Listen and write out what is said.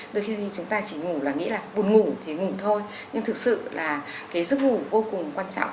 đôi khi chúng ta chỉ ngủ là nghĩ là buồn ngủ thì ngủ thôi nhưng thực sự là cái giấc ngủ vô cùng quan trọng